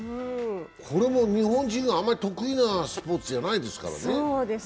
これも日本人、あまり得意なスポーツじゃないですからね。